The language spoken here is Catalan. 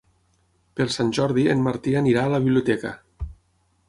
Per Sant Jordi en Martí anirà a la biblioteca.